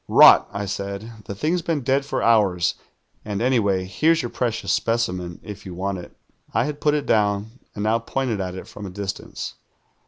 "'Rot,' I said. 'The thing's been dead for hours, and anyway, here's your ])reci()us specimen if you want it.' "I had ])ul it down, and now pointed at it from a distance.